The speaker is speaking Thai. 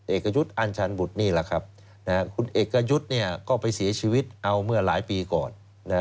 เอกยุทธ์อัญชาญบุตรนี่แหละครับคุณเอกยุทธ์ก็ไปเสียชีวิตเอาเมื่อหลายปีก่อน